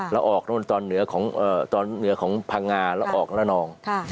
แล้วออกตอนเหนือของพังงาแล้วออกละนอง